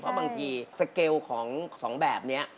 เพราะบางทีสเกลของสองแบบนี้